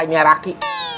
ini air aki